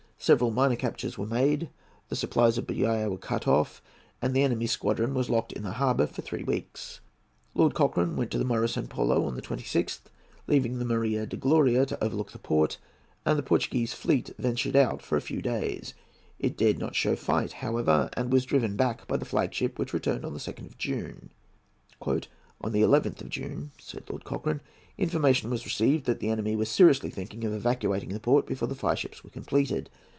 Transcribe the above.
Several minor captures were made; the supplies of Bahia were cut off, and the enemy's squadron was locked in the harbour for three weeks. Lord Cochrane went to the Moro San Paulo on the 26th, leaving the Maria de Gloria to overlook the port, and then the Portuguese fleet ventured out for a few days. It dared not show fight, however, and was driven back by the flag ship, which returned on the 2nd of June. "On the 11th of June," said Lord Cochrane, "information was received that the enemy was seriously thinking of evacuating the port before the fireships were completed.